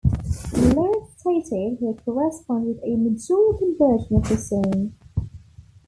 The lyrics stated here correspond with a Majorcan version of the song.